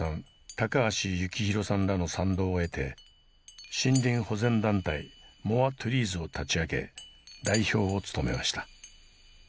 高橋幸宏さんらの賛同を得て森林保全団体「モア・トゥリーズ」を立ち上げ代表を務めました。